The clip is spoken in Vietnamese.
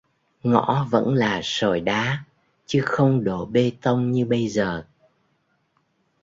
Ngõ vẫn là sỏi đá chứ không đổ bê tông như bây giờ